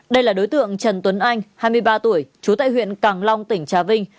đây là đối tượng trần tuấn anh hai mươi ba tuổi trú tại huyện càng long tỉnh trà vinh